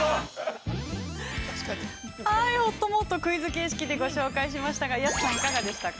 ◆ほっともっと、クイズ形式でご紹介しましたが、安さん、いかがでしたか？